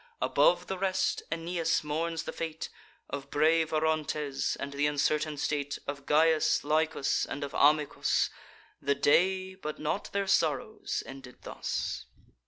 Above the rest, Aeneas mourns the fate Of brave Orontes, and th' uncertain state Of Gyas, Lycus, and of Amycus. The day, but not their sorrows, ended thus.